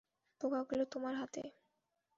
পোকাগুলো তোমার হাতে।